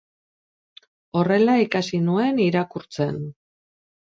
Horrela ikasi nuen irakurtzen.